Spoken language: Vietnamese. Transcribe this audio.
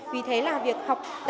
vì thế là việc học